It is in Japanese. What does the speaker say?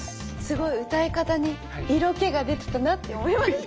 すごい歌い方に色気が出てたなって思いました。